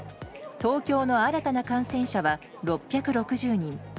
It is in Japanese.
東京の新たな感染者は６６０人。